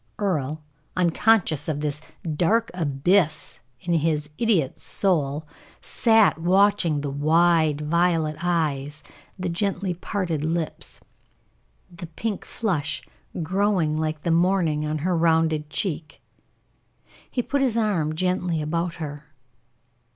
Earle, unconscious of this dark abyss in his idol's soul, sat watching the wide, violet eyes, the gently parted lips, the pink flush growing like the morning on her rounded cheek. He put his arm gently about her.